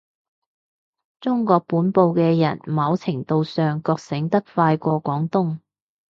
中國本部嘅人某程度上覺醒得快過廣東